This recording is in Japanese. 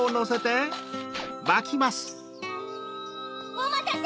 おまたせ！